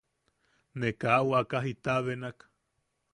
Ne kaa waka jita benak.